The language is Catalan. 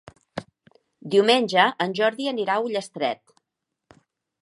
Diumenge en Jordi anirà a Ullastret.